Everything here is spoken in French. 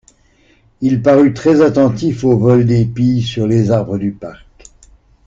Il parut très attentif au vol des pies sur les arbres du parc.